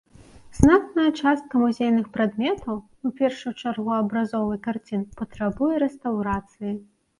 Значная частка музейных прадметаў, у першую чаргу абразоў і карцін, патрабуе рэстаўрацыі.